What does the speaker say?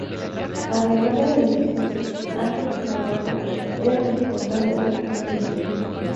Además de la dirección, Ángel Carbajo era el responsable de la coordinación.